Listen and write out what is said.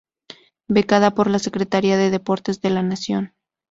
Becada por la Secretaría de Deportes de la Nación.